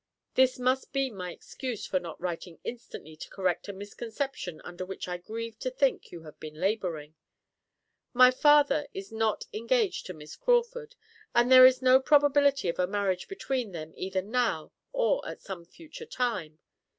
This must be my excuse for not writing instantly to correct a misconception under which I grieve to think you have been labouring. My father is not engaged to Miss Crawford, and there is no probability of a marriage between them either now or at some future time.